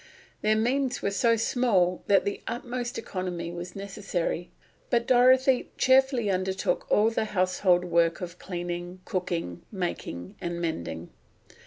Their means were so small that the utmost economy was necessary; but Dorothy cheerfully undertook all the household work of cleaning, cooking, making, and mending.